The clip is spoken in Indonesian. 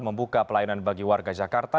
membuka pelayanan bagi warga jakarta